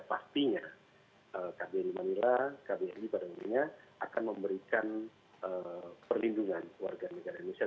pastinya kbri manila kbri pada intinya akan memberikan perlindungan warga negara indonesia